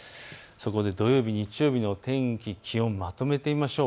土曜日、日曜日の天気、気温まとめてみましょう。